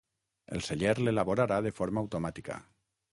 El celler l'elaborarà de forma automàtica.